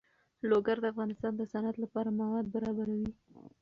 لوگر د افغانستان د صنعت لپاره مواد برابروي.